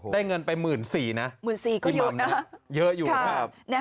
ได้เงินไปหมื่นสี่นะพี่มัมนะเยอะอยู่ครับ